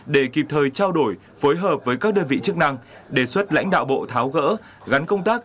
để kịp thời trao đổi phối hợp với các đơn vị chức năng đề xuất lãnh đạo bộ tháo gỡ gắn công tác